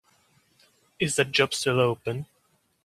Is that job still open?